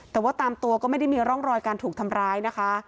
แต่ว่าตามตัวก็ไม่ได้มีร่องรอยการถูกทำร้ายนะคะ